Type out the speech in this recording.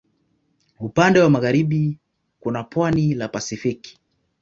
Upande wa magharibi kuna pwani la Pasifiki.